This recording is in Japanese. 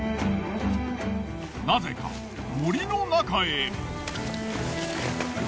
なぜか森の中へ。